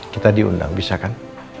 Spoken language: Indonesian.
kita diundang bisa kan